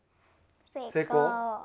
成功！